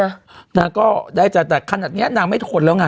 งานงานงานได้จากตั้งแต่ขนาดนี้นางไม่โถทนแล้วค่ะ